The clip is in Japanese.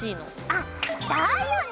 あだよね！